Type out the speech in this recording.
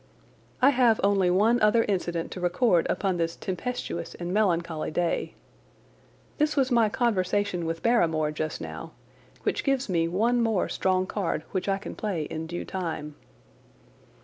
I have only one other incident to record upon this tempestuous and melancholy day. This was my conversation with Barrymore just now, which gives me one more strong card which I can play in due time.